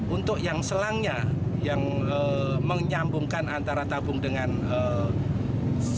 untuk yang selangnya yang menyambungkan antara tabung dengan selang